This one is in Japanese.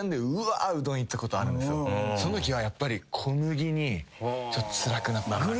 そのときはやっぱり小麦につらくなった。